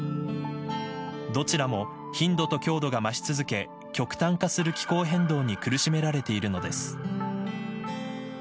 どちらも頻度と強度が増し続け極端化する気候変動に苦しめられているのです。